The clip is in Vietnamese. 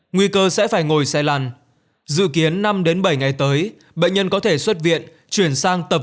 nguy cơ sẽ phải ngồi xe lăn dự kiến năm bảy ngày tới bệnh nhân có thể xuất viện chuyển sang tập